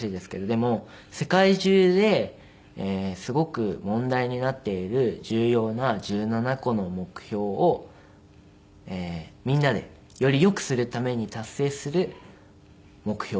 でも世界中ですごく問題になっている重要な１７個の目標をみんなでよりよくするために達成する目標。